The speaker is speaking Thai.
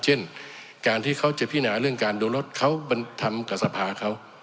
เช่นการที่เขาจะพินาเรื่องการโดนรถเขาบรรทำกับสภาเขา